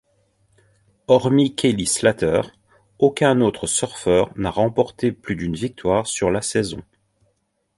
Hormis Kelly Slater aucun autre surfeur n'a remporté plus d'une victoire sur la saison.